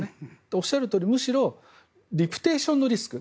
おっしゃるとおりむしろリプテーションのリスク。